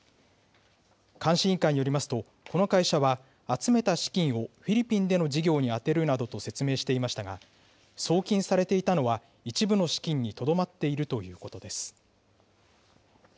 監視委員会によりますと、この会社は集めた資金をフィリピンでの事業に充てるなどと説明していましたが、送金されていたのは、一部の資金にとどまっているということです。